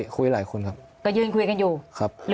คุยหลายคนครับก็ยืนคุยกันอยู่ครับ